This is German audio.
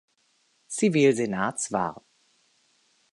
Zivilsenats war.